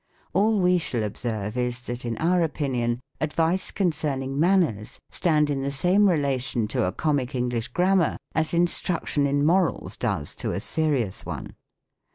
All we shall observe is, that in our opinion, advice con cerning manners stand in the same relation to a Comic English Grammar, as instruction in morals does to a Serious one.